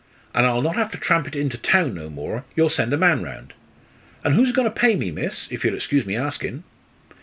And I'll not have to tramp it into town no more you'll send a man round. And who is agoin' to pay me, miss, if you'll excuse me asking?"